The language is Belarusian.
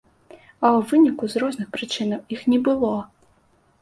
А ў выніку, з розных прычынаў, іх не было!